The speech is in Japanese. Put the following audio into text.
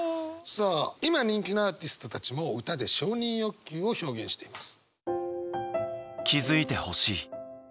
さあ今人気のアーティストたちも歌で承認欲求を表現しています。